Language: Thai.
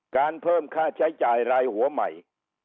การเพิ่มค่าใช้จ่ายรายหัวใหม่